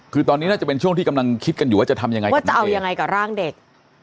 คือตอนนี้น่าจะเป็นช่วงที่กำลังคิดกันอยู่ว่าจะทำยังไงว่าจะเอายังไงกับร่างเด็ก